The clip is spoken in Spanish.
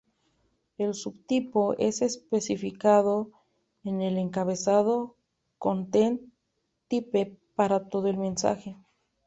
El subtipo es especificado en el encabezado "Content-type" para todo el mensaje.